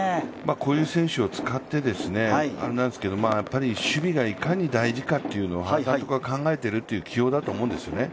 こういう選手を使って守備がいかに大事かというのを原監督は考えている起用だと思うんです。